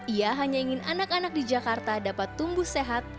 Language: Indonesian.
ia hanya ingin anak anak di jakarta dapat tumbuh sehat